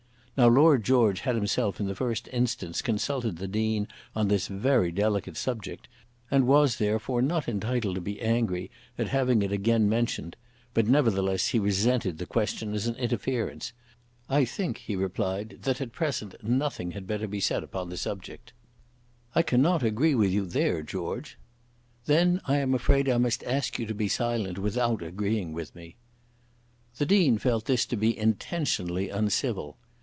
Now Lord George had himself in the first instance consulted the Dean on this very delicate subject, and was therefore not entitled to be angry at having it again mentioned; but nevertheless he resented the question as an interference. "I think," he replied, "that at present nothing had better be said upon the subject." "I cannot agree with you there, George." "Then I am afraid I must ask you to be silent without agreeing with me." The Dean felt this to be intentionally uncivil.